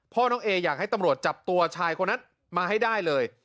พ่อน้องเออยากให้ตำรวจจับตัวชายคนนั้นมาให้ได้เลย